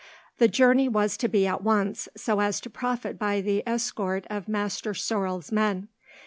The journey was to be at once, so as to profit by the escort of Master Sorel's men.